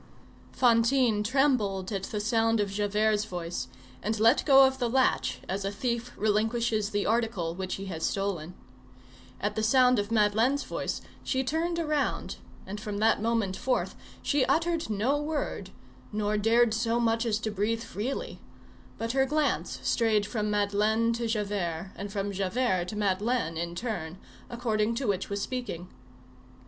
Fantine trembled at the sound of Javert's voice, and let go of the latch as a thief relinquishes the article which he has stolen. At the sound of Madeleine's voice she turned around, and from that moment forth she uttered no word, nor dared so much as to breathe freely, but her glance strayed from Madeleine to Javert, and from Javert to Madeleine in turn, according to which was speaking.